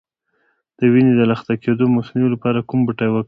د وینې د لخته کیدو مخنیوي لپاره کوم بوټی وکاروم؟